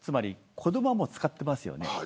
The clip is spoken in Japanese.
子どもはもう使っていますよね。